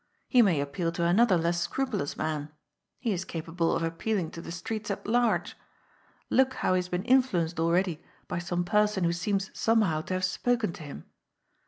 He may appeal to an other less scrupulous man. He is capable of appealing to the streets at large. Look how he has been influenced already by some person who seems somehow to have spoken to him.